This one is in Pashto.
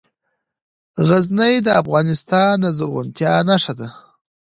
غزني د افغانستان د زرغونتیا نښه ده.